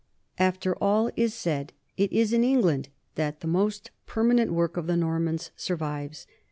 After all is said, it is in England that the most perma nent work of the Normans survives.